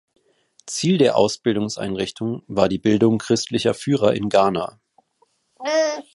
Ziel der Ausbildungseinrichtung war die Bildung christlicher Führer in Ghana.